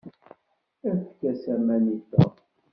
Efk-as aman i Tom.